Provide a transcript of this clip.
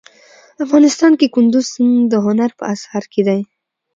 افغانستان کې کندز سیند د هنر په اثار کې دی.